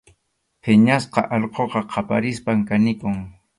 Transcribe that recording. Phiñasqa allquqa qaparispam kanikun.